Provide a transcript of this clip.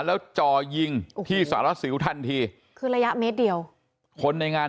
แล้วจ่อยิงที่สารสิวทันทีคือระยะเมตรเดียวคนในงาน